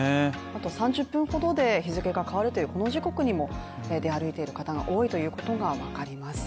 ３０分ほどで日付が変わるというこの時刻にも出歩いている方が多いということがわかります。